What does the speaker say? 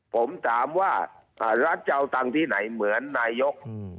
ผมถามว่ารัฐจะเอาตังค์ที่ไหนเหมือนนายก